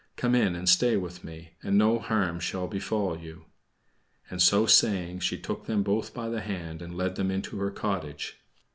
Come in and stay with me, and no harm shall befall you." And so saying, she took them both by the hand and led them into her cottage.